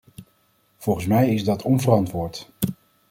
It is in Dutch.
Volgens mij is dat onverantwoord.